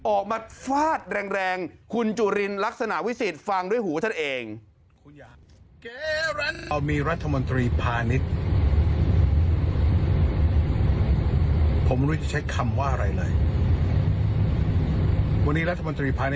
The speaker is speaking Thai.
ออกมาฟาดแรงคุณจุลินลักษณะวิสิทธิ์ฟังด้วยหูท่านเอง